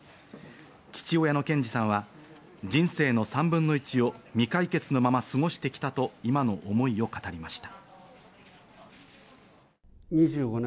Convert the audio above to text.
父親の賢二さんは人生の３分の１を未解決のまま過ごしてきたと今の思いを語りました。